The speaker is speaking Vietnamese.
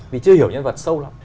vì chưa hiểu nhân vật sâu lắm